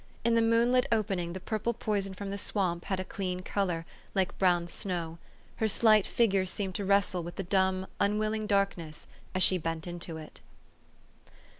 In the moonlit opening the purple poison from the swamp had a clean color, like blown snow. Her slight figure seemed to wrestle with the dumb, unwilling darkness as she bent into it.